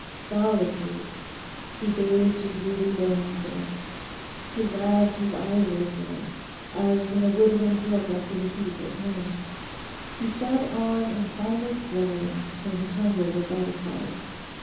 Solitude!—he bathed his weary bones in it. He laved his eyelids in it, as in a woodland brook after the heat of noon. He sat on in calmest reverie till his hunger was satisfied.